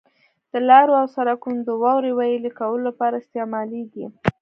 د لارو او سرکونو د واورې ویلي کولو لپاره استعمالیږي.